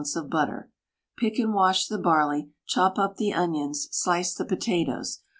of butter. Pick and wash the barley, chop up the onions, slice the potatoes.